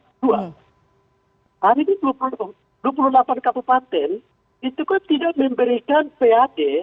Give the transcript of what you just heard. hari ini dua puluh delapan kabupaten itu kan tidak memberikan pad